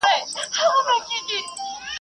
يا غوا غيي، يا غړکي څيري.